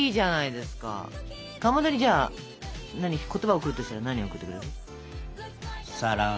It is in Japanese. かまどにじゃあ言葉を贈るとしたら何贈ってくれる？